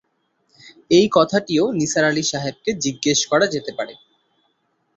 এই কথাটিও নিসার আলি সাহেবকে জিজ্ঞেস করা যেতে পারে।